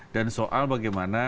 dan soal bagaimana